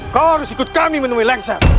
kau harus ikut kami menemui lengser